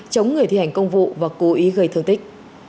chống người thi hành công vụ và cố ý gây thương tích